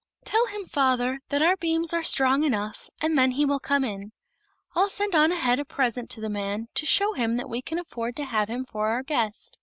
"Tell him, father, that our beams are strong enough, and then he will come in. I'll send on ahead a present to the man, to show him that we can afford to have him for our guest."